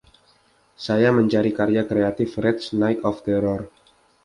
Saya mencari karya kreatif Rats: Night of Terror